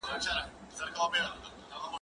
زه به د کتابتون کار کړي وي،